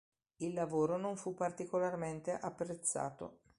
Il lavoro non fu particolarmente apprezzato.